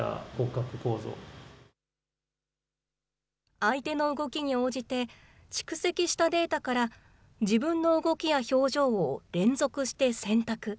相手の動きに応じて、蓄積したデータから自分の動きや表情を連続して選択。